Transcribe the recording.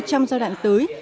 trong giai đoạn tới